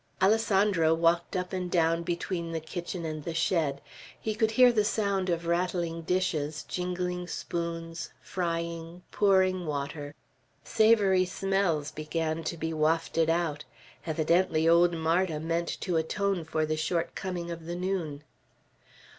Alessandro walked up and down between the kitchen and the shed. He could hear the sounds of rattling dishes, jingling spoons, frying, pouring water. Savory smells began to be wafted out. Evidently old Marda meant to atone for the shortcoming of the noon.